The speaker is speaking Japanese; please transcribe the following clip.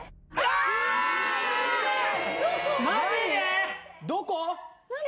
マジで？